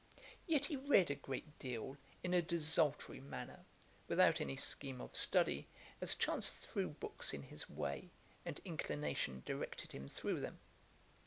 Yet he read a great deal in a desultory manner, without any scheme of study, as chance threw books in his way, and inclination directed him through them.